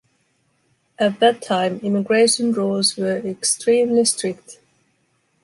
At that time, immigration rules were extremely strict.